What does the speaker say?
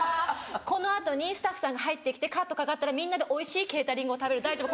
この後にスタッフさんが入って来てカットかかったらみんなでおいしいケータリングを食べる大丈夫